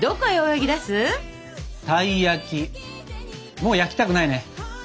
もう焼きたくないね。